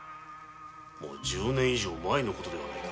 もう十年以上前の事ではないか。